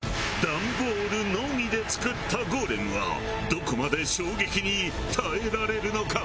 ダンボールのみで作ったゴーレムはどこまで衝撃に耐えられるのか？